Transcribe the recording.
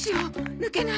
抜けない。